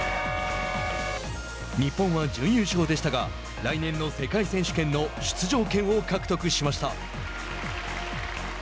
日本は準優勝でしたが来年の世界選手権の出場権を獲得しました。